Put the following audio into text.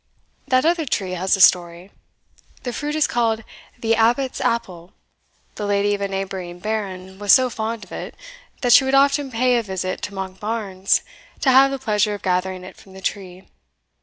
That other tree has a story: the fruit is called the Abbot's Apple; the lady of a neighbouring baron was so fond of it, that she would often pay a visit to Monkbarns, to have the pleasure of gathering it from the tree.